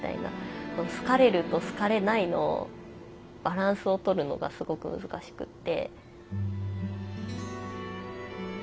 好かれると好かれないのバランスを取るのがすごく難しくって。